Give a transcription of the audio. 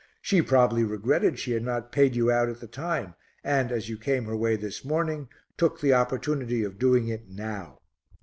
She probably regretted she had not paid you out at the time and, as you came her way this morning, took the opportunity of doing it now."